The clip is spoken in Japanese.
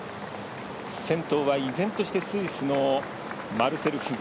先頭は依然としてスイスのマルセル・フグ。